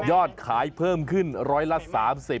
ยอดขายเพิ่มขึ้นร้อยละ๓๐